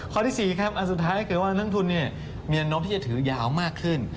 ข้อที่๔ครับอันสุดท้ายคือว่านังทุนเนี่ยมีอนุมที่จะถือยาวมากขึ้น